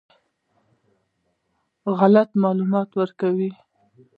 غلط معلومات ورکوي.